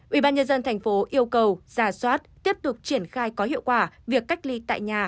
ubnd tp yêu cầu giả soát tiếp tục triển khai có hiệu quả việc cách ly tại nhà